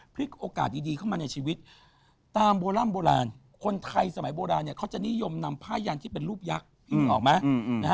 โอกาสดีเข้ามาในชีวิตตามโบร่ำโบราณคนไทยสมัยโบราณเนี่ยเขาจะนิยมนำผ้ายันที่เป็นรูปยักษ์ออกไหม